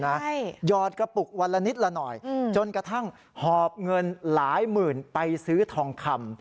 ใช่หยอดกระปุกวันละนิดละหน่อยจนกระทั่งหอบเงินหลายหมื่นไปซื้อทองคำ